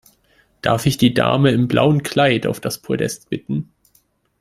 Darf ich die Dame im blauen Kleid auf das Podest bitten?